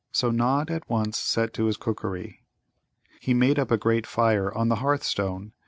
So Nod at once set to his cookery. He made up a great fire on the hearthstone.